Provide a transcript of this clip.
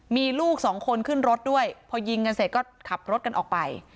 มีลูกสองคนขึ้นรถด้วยพอยิงกันเสร็จก็ขับรถกันออกไป